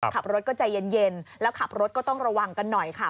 ขับรถก็ใจเย็นแล้วขับรถก็ต้องระวังกันหน่อยค่ะ